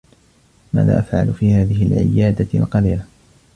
ماذا أفعل في هذه العيادة القذرة؟